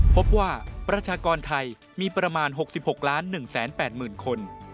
พบว่าประชากรไทยมีประมาณ๖๖ล้าน๑แสน๘หมื่นคน